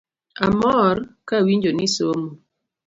Amor kawinjo nisomo